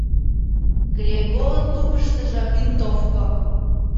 Глеголын тупыштыжо — винтовко.